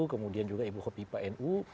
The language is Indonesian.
kemudian juga ibu kopipa nu